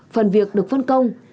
phần việc được phân công